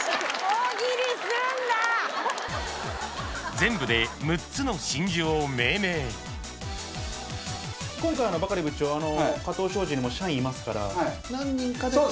全部で６つの真珠を命名今回バカリ部長加藤商事にも社員いますから何人かで。